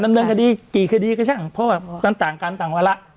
ดำเนินคดีกี่คดีก็ใช่ค่ะเพราะว่าอูมต่างกันต่างวันละ